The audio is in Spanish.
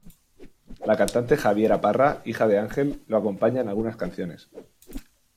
La cantante Javiera Parra, hija de Ángel, lo acompaña en algunas canciones.